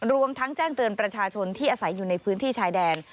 รวมทั้งแจ้งเตือนประชาชนที่อาศัยอยู่ในพื้นที่ชายแดน